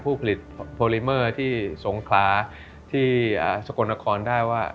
ผู้ผลิตโพลิเมอร์ที่สงคราที่สกลนครได้ว่า